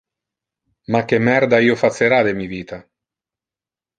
Ma que merda io facera de mi vita?